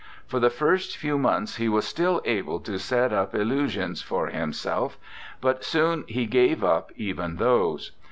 For the first few months he was still able to set up illu sions for himself; but soon he gave up even those.